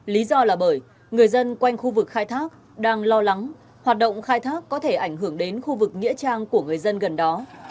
lý do là bởi người dân quanh khu vực khai thác đang lo lắng hoạt động khai thác có thể ảnh hưởng đến khu vực nghĩa trang của người dân gần đó